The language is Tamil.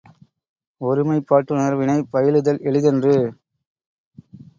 ஒருமைப்பாட்டுணர்வினைப் பயிலுதல் எளிதன்று.